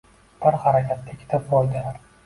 Bir harakatda ikkita foyda!